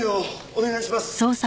お願いします。